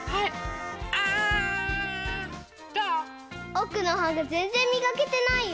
おくのはがぜんぜんみがけてないよ！